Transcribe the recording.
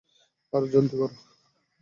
আরে জলদি কর।